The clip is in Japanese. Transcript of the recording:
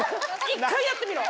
一回やってみろ！